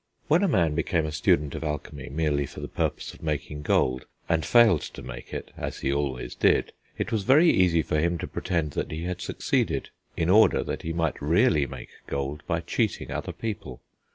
When a man became a student of alchemy merely for the purpose of making gold, and failed to make it as he always did it was very easy for him to pretend he had succeeded in order that he might really make gold by cheating other people.